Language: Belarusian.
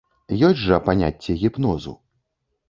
Ёсць жа паняцце гіпнозу.